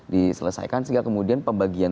diselesaikan sehingga kemudian pembagian